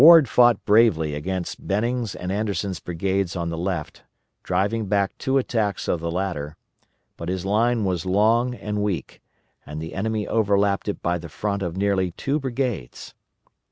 Ward fought bravely against Benning's and Anderson's brigades on the left, driving back two attacks of the latter, but his line was long and weak, and the enemy overlapped it by the front of nearly two brigades.